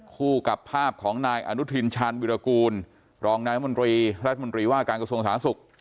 คู่กับภาพของนายอนุทินชาญวิรากูลรองนายมนตรีรัฐมนตรีว่าการกระทรวงสาธารณสุข